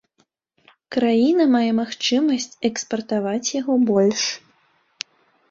Краіна мае магчымасць экспартаваць яго больш.